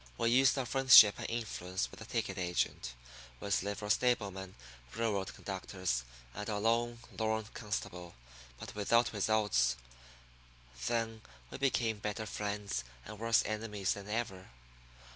We used our friendship and influence with the ticket agent, with livery stable men, railroad conductors, and our one lone, lorn constable, but without results. Then we became better friends and worse enemies than ever.